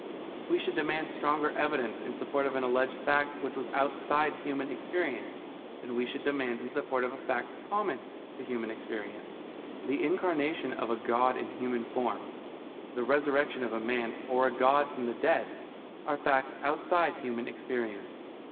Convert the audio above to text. We should demand stronger evidence in support of an alleged fact which was outside human experience than we should demand in support of a fact common to human experience. The incarnation of a God in human form, the resurrection of a man or a God from the dead, are facts outside human experience.